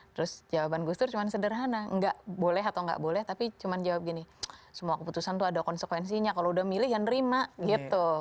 terus jawaban gus dur cuma sederhana nggak boleh atau nggak boleh tapi cuma jawab gini semua keputusan tuh ada konsekuensinya kalau udah milih ya nerima gitu